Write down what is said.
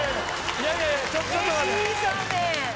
いやいやちょっと待って。